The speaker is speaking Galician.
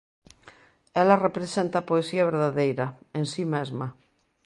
Ela representa a poesía verdadeira, en si mesma.